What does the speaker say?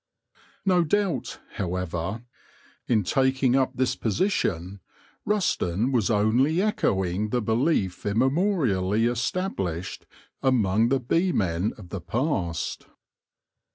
No doubt, however, in taking up this position, Rusden was only echoing the belief immemorially established among the beemen of the past.